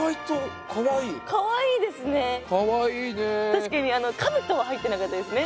確かに兜は入ってなかったですね。